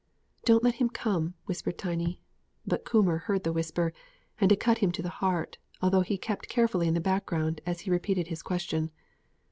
"Don't let him come," whispered Tiny; but Coomber heard the whisper, and it cut him to the heart, although he kept carefully in the background as he repeated his question.